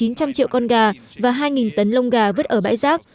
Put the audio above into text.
gần chín trăm linh triệu con gà và hai tấn lông gà vứt ở bãi giác